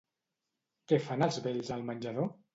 Què fan els vells al menjador?